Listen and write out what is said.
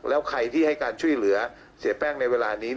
แล้วใครที่ให้การช่วยเหลือเสียแป้งในเวลานี้